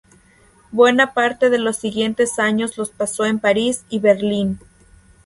Buena parte de los siguientes años los pasó en París y Berlín.